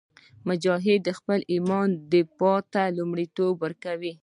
مجاهد د خپل ایمان دفاع ته لومړیتوب ورکوي.